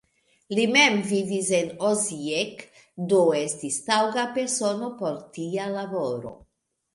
Li mem vivis en Osijek, do estis taŭga persono por tia laboro.